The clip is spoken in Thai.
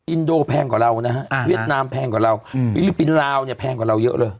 อินโดแพงกว่าเรานะเวียดนามแพงกว่าเราแล้วเนี้ยแพงกว่าเราเยอะเลย